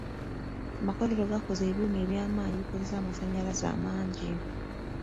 Amakolero gakozesa ebyuma eby'amaanyi ebikozesa amasannyalaze amangi.